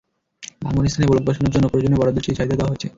ভাঙন স্থানে ব্লক বসানোর জন্য প্রয়োজনীয় বরাদ্দ চেয়ে চাহিদা দেওয়া হয়েছে।